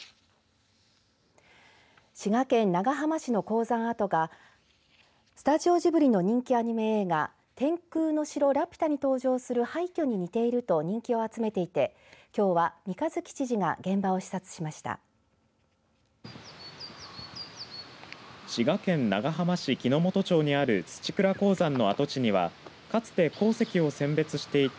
滋賀県長浜市の鉱山跡がスタジオジブリの人気アニメ映画天空の城ラピュタに登場する廃虚に似ていると人気を集めていてきょうは三日月知事が現場を視察しました。